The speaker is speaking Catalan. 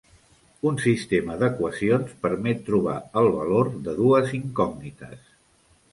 Un sistema d'equacions permet trobar el valor de dues incògnites.